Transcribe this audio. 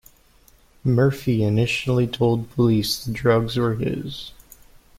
Murphy initially told police the drugs were his.